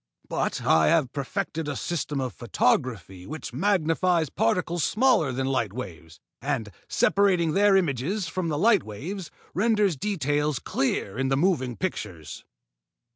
But I have perfected a system of photography which magnifies particles smaller than light waves, and, separating their images from the light waves, renders detail clear in the moving pictures."